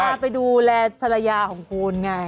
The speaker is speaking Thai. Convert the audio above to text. พาไปดูแลภรรยาของคุณไง